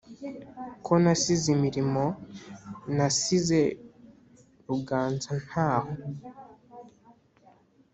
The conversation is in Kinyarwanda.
ko nasize imirimo nasize ruganza-ntaho